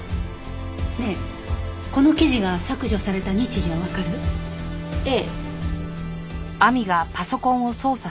ねえこの記事が削除された日時はわかる？ええ。